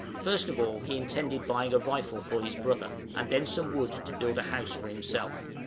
First of all he intended buying a rifle for his brother, and then some wood to build a house for himself.